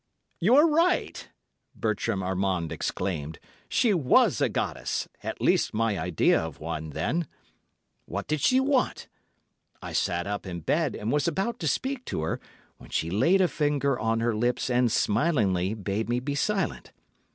"You are right," Bertram Armand exclaimed. "She was a goddess—at least my idea of one, then. What did she want? I sat up in bed, and was about to speak to her, when she laid a finger on her lips and smilingly bade me be silent.